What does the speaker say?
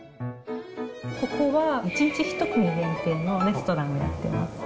ここは１日１組限定のレストランになってます。